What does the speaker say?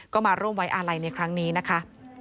ก็มาร่วมไว้อาลัยในครั้งนี้นะคะ